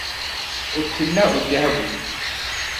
O pilila o biɛhigu.